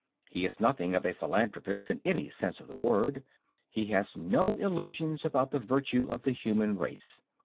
He is nothing of a philanthropist in any sense of the word. He has no illusions about the virtue of the human race.